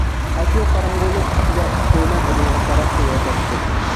ئاشۇ قاراڭغۇلۇق ئىچىدە ئىككىيلەن ئۇنىڭغا قاراپ كېلىۋاتاتتى.